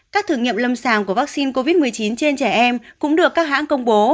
các thử nghiệm lâm sàng của vaccine covid một mươi chín trên trẻ em cũng được các hãng công bố